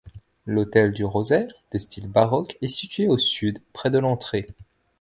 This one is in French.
L'autel du Rosaire, de style baroque, est situé au sud près de l'entrée.